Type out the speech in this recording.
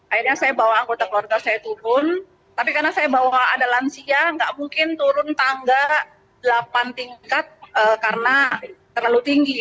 akhirnya saya bawa anggota keluarga saya turun tapi karena saya bawa ada lansia nggak mungkin turun tangga delapan tingkat karena terlalu tinggi